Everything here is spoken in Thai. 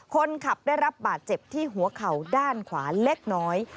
คนขับได้รับบาดเจ็บที่หัวเข่าด้านขวาเล็กน้อย